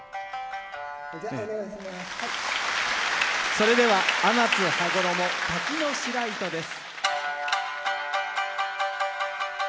それでは天津羽衣「滝の白糸」です。